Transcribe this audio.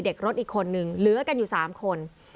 เด็กรถอีกคนนึงเหลือกันอยู่๓คน